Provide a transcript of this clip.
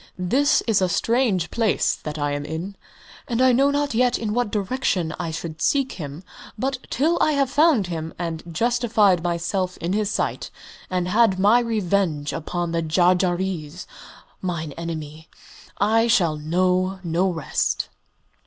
"This is a strange place that I am in, and I know not yet in what direction I should seek him. But till I have found him, and justified myself in his sight, and had my revenge upon Jarjarees, mine enemy, I shall know no rest."